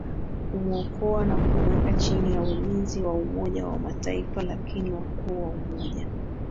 kumwokoa na kumweka chini ya ulinzi wa Umoja wa Mataifa lakini wakuu wa Umoja